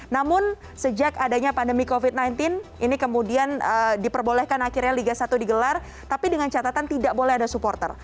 namun sejak adanya pandemi covid sembilan belas ini kemudian diperbolehkan akhirnya liga satu digelar tapi dengan catatan tidak boleh ada supporter